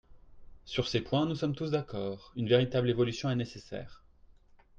Sur ces points, nous sommes tous d’accord, une véritable évolution est nécessaire.